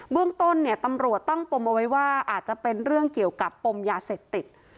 เรื่องต้นเนี่ยตำรวจตั้งปมเอาไว้ว่าอาจจะเป็นเรื่องเกี่ยวกับปมยาเสพติด